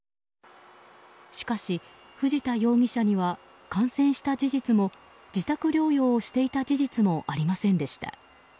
しかし、藤田容疑者には感染した事実も自宅療養をしていた事実もありませんでした。